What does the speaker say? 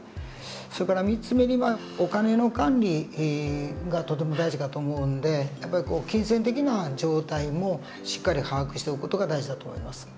それから３つ目にはお金の管理がとても大事かと思うんでやっぱり金銭的な状態もしっかり把握しておく事が大事だと思います。